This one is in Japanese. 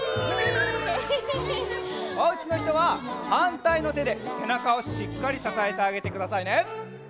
おうちのひとははんたいのてでせなかをしっかりささえてあげてくださいね。